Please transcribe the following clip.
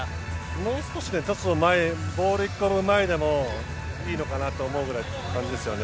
もう少し、トスをボール１個分前でもいいのかなと思うぐらいの感じですよね。